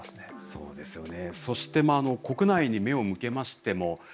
そうですね。